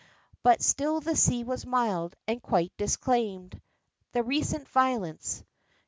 But still the sea was mild, and quite disclaimed The recent violence.